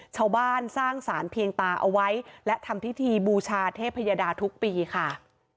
สร้างสารเพียงตาเอาไว้และทำพิธีบูชาเทพยดาทุกปีค่ะ